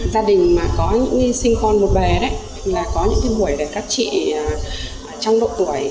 gia đình mà có những sinh con một bề đấy là có những buổi để các chị trong độ tuổi